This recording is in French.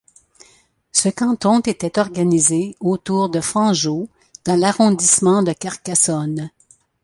Ce canton était organisé autour de Fanjeaux dans l'arrondissement de Carcassonne.